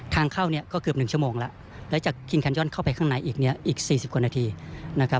ทางเข้าเนี้ยก็เกือบหนึ่งชั่วโมงแล้วแล้วจากเข้าไปข้างในอีกเนี้ยอีกสี่สิบกว่านาทีนะครับ